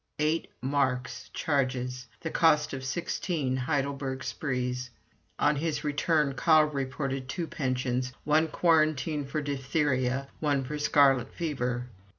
Eight marks charges! the cost of sixteen Heidelberg sprees. On his return, Carl reported two pensions, one quarantined for diphtheria, one for scarlet fever.